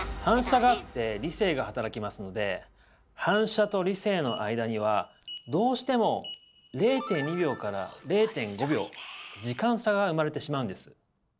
反射があって理性が働きますので反射と理性の間にはどうしても０．２秒から０．５秒時間差が生まれてしまうんです。